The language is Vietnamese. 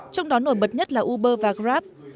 trong đó nổi bật nhất là uber và grab